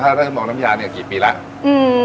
ถ้าได้บอกน้ำยานี่กี่ปีแล้ว